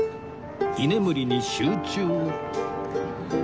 居眠りに集中